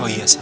kok aneh sih